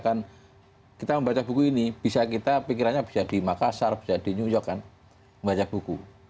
karena kita membaca buku ini bisa kita pikirannya bisa di makassar bisa di new york kan membaca buku